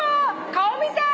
顔見たい！